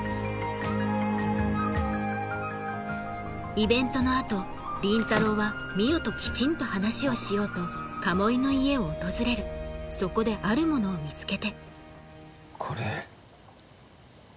イベントの後倫太郎は海音ときちんと話をしようと鴨居の家を訪れるそこであるものを見つけてこれ。